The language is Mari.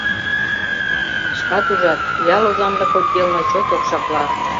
Шкат ужат, ял озанлык отделна чот окшакла.